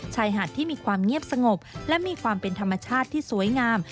ชายหาดที่มีความเงียบสงบและมีความเป็นธรรมชาติที่สวยงาม